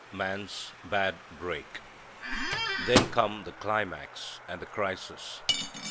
Man's Bad Break. Then come the climax and the crisis.